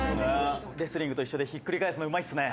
「レスリングと一緒でひっくり返すのうまいっすね」